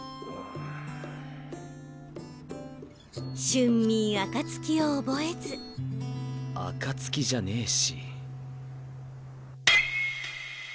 春眠暁を覚えず暁じゃねし。